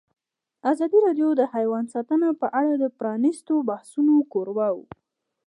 ازادي راډیو د حیوان ساتنه په اړه د پرانیستو بحثونو کوربه وه.